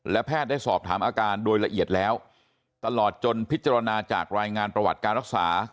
และแพทย์ได้สอบถามอาการโดยละเอียดแล้วตลอดจนพิจารณาจากรายงานประวัติการรักษา